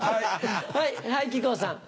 はい木久扇さん。